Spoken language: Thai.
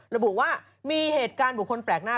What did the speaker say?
ระบุว่ามีเหตุการณ์บุคคลแปลกหน้า